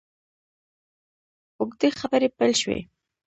اوږدې خبرې پیل شوې.